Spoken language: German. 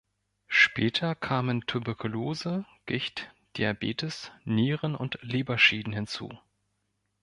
Später kamen Tuberkulose, Gicht, Diabetes, Nieren- und Leberschäden hinzu.